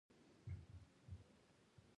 واورئ برخه کې جملې تایید کړئ.